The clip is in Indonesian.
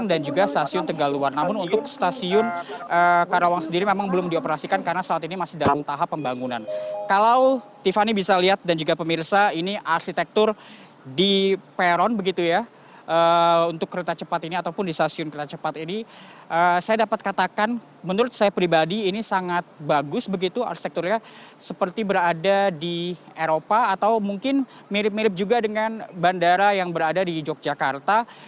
di eropa atau mungkin mirip mirip juga dengan bandara yang berada di yogyakarta